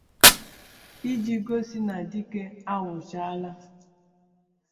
iji gosi na dike awụchaala.